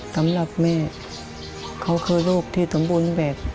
สำหรับแม่เขาคือโรคที่สมบูรณ์แบบ